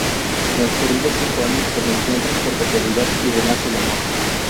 Transcurridos cinco años, se reencuentran por casualidad y renace el amor.